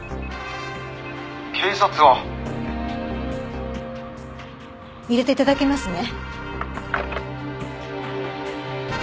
「警察は」入れて頂けますね？